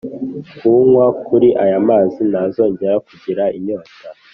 Unywa kuri aya mazi ntazongera kugira inyota